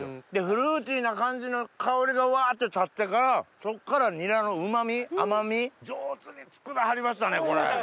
フルーティーな感じの香りがわって立ってからそっからニラのうま味甘味上手に作らはりましたねこれ。